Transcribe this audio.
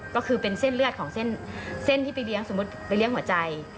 ก็คือเป็นเส้นเลือดของเส้นที่ไปเลี้ยงสมมุติไปเลี้ยงหัวใจ